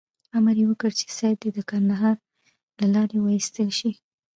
امر یې وکړ چې سید دې د کندهار له لارې وایستل شي.